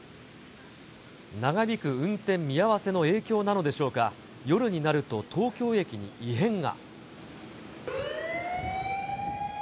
長引く運転見合わせの影響なのでしょうか、夜になると東京駅に異変が。